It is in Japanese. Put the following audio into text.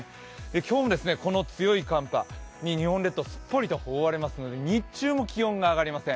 今日もこの強い寒波に日本列島、すっぽりと覆われますので日中も気温が上がりません。